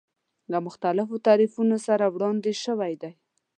له مختلفو تعریفونو سره وړاندې شوی دی.